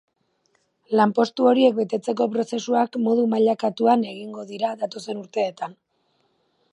Lanpostu horiek betetzeko prozesuak modu mailakatuan egingo dira datozen urteetan.